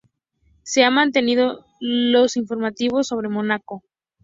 Se han mantenido los informativos sobre Mónaco.